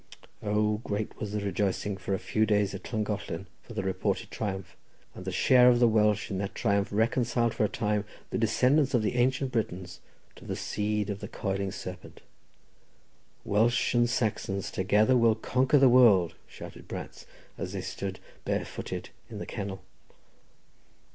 O, great was the rejoicing for a few days at Llangollen for the reported triumph; and the share of the Welsh in that triumph reconciled for a time the descendants of the Ancient Britons to the seed of the coiling serpent. "Welsh and Saxons together will conquer the world!" shouted brats as they stood barefooted in the kennel.